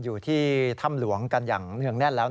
อยู่ที่ถ้ำหลวงกันอย่างเนื่องแน่นแล้ว